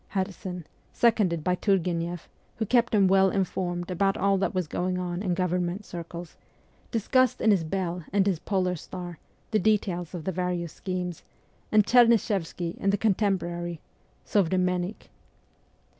Herzen, seconded by Turgueneff, who kept him well informed about all that was going on in government circles, discussed in his ' Bell ' and his ' Polar Star ' the details of the various schemes, and Chernyshevsky in the ' Contemporary ' (Sovremennik)